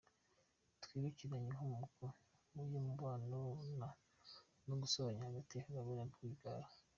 Twibukiranye inkomoko y’umubano no gusobanya hagati ya Kagame na Rwigara